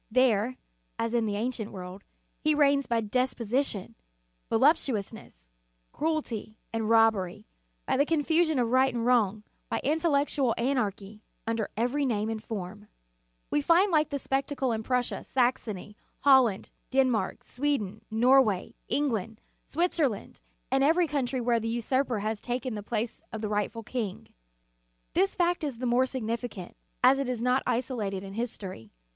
There, as in the ancient world, he reigns by despotism, volup tuousness, cruelty, and robbery, by the con fusion of right and wrong, by intellectual anarchy, under every name and form. We find the like spectacle in Prussia, Saxony, Holland, Denmark, Sweden, Nor way, England, Switzerland, and every country where the usurper has taken the place of the rightful Kincr This fact is the more si<r < > o ^> nificant, as it is not isolated in history.